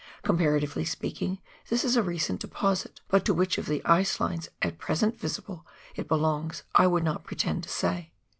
Comparatively speaking this is a recent deposit, but to which of the ice lines, at present visible, it belongs I will not pretend to say.